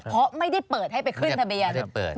เพราะไม่ได้เปิดให้ไปขึ้นทะเบียน